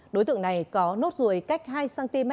đối tượng này có nốt ruồi cách hai cm